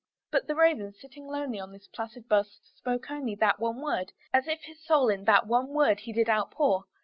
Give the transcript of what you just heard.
But the Raven, sitting lonely on the placid bust, spoke only That one word, as if his soul in that one word he did outpour.